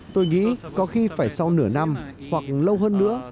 tôi nghĩ có khi phải sau nửa năm hoặc lâu hơn nữa